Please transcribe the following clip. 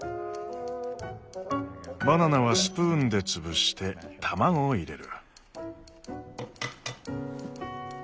バナナはスプーンで潰して卵を入れる。